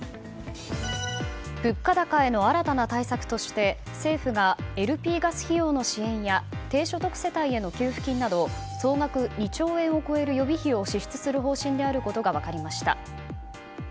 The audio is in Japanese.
物価高への新たな対策として政府がＬＰガス費用の支援や低所得世帯への給付金など総額２兆円を超える予備費を支出する方針であることが分かりました。